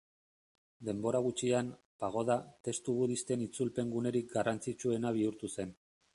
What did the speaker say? Denbora gutxian, pagoda, testu budisten itzulpen gunerik garrantzitsuena bihurtu zen.